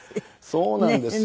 そうなんです。